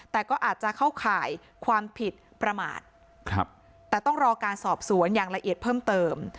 แต่ก็อาจจะเข้าข่ายความผิดประมาทแต่ต้องรอการสอบสวนอย่างละเอียดเพิ่มเติม